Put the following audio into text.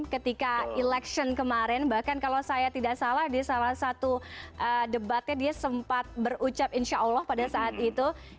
ketika election kemarin bahkan kalau saya tidak salah di salah satu debatnya dia sempat berucap insya allah pada saat itu